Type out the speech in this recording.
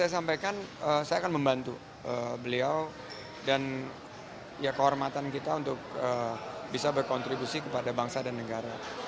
saya akan membantu beliau dan kehormatan kita untuk bisa berkontribusi kepada bangsa dan negara